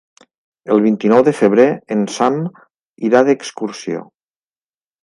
El vint-i-nou de febrer en Sam irà d'excursió.